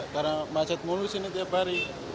karena macet mulu disini tiap hari